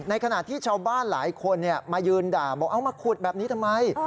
ในขณะที่ชาวบ้านหลายคนมายืนด่าบอกเอามาขุดแบบนี้ทำไม